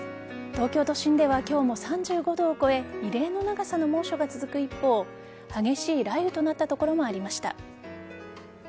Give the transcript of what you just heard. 東京都心では今日も３５度を超え異例の長さの猛暑が続く一方激しい雷雨の所もありました。